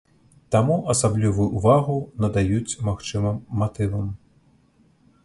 Таму асаблівую ўвагу надаюць магчымым матывам.